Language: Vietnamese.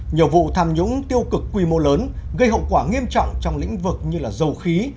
nhiều vụ tham nhũng tiêu cực quy mô lớn gây hậu quả nghiêm trọng trong lĩnh vực như dầu khí